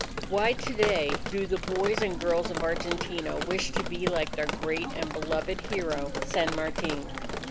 Why, to day, do the boys and girls of Argentina wish to be like their great and beloved hero San Martin?